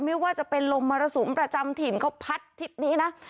ไม่ว่าจะเป็นลมมรสุมประจำถิ่นเขาพัดทิศนี้นะ